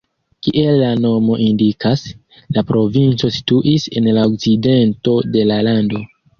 Kiel la nomo indikas, la provinco situis en la okcidento de la lando.